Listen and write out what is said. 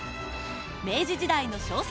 明治時代の小説